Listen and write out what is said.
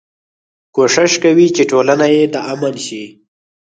کوشش کوي چې ټولنه يې د امن شي.